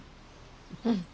うん。